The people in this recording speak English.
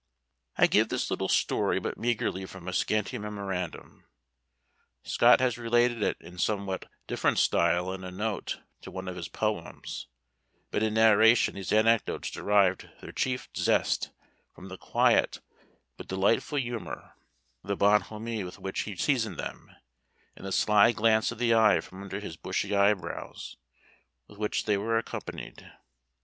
I give this little story but meagrely from a scanty memorandum; Scott has related it in somewhat different style in a note to one of his poems; but in narration these anecdotes derived their chief zest, from the quiet but delightful humor, the bonhomie with which he seasoned them, and the sly glance of the eye from under his bushy eyebrows, with which they were accompanied.